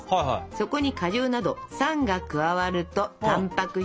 そこに果汁など酸が加わるとたんぱく質が固まるのよ。